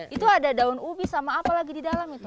itu ada daun ubi sama apa lagi di dalam itu